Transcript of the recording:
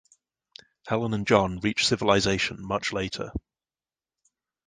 Helen and John reach civilization much later.